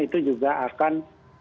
itu juga akan